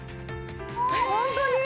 ホントに！？